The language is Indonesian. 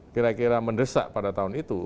kira kira mendesak pada tahun itu